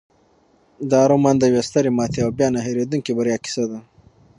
دا رومان د یوې سترې ماتې او بیا نه هیریدونکې بریا کیسه ده.